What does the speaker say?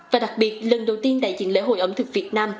và đặc biệt lần đầu tiên đại diện lễ hội ẩm thực việt nam